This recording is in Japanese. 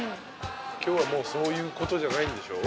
今日はもうそういうことじゃないんでしょ？